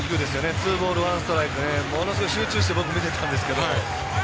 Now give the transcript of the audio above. ツーボール、ワンストライクでものすごい集中して僕見てたんですけど。